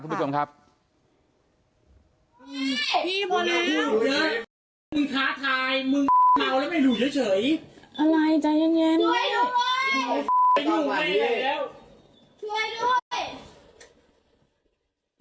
พี่พอแล้วมึงค้าทายมึงเมาแล้วไม่หรูเฉย